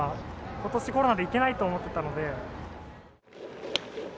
ことし、コロナで行けないと思ってたので。